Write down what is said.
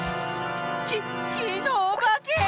ききのおばけ！